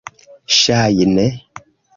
ŝajne